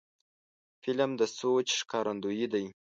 فلم د سوچ ښکارندوی دی